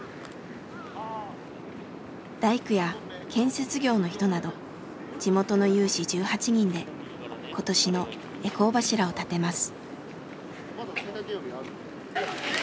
大工や建設業の人など地元の有志１８人で今年の回向柱を建てます。